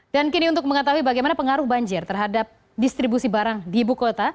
dan kini untuk mengetahui bagaimana pengaruh banjir terhadap distribusi barang di ibu kota